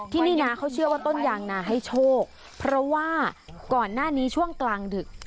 ที่นี่นะเขาเชื่อว่าต้นยางนาให้โชคเพราะว่าก่อนหน้านี้ช่วงกลางดึก